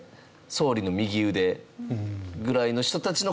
総理の右腕ぐらいの人たちの事を言う。